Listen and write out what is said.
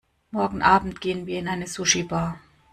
Morgen Abend gehen wir in eine Sushibar.